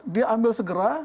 dia ambil segera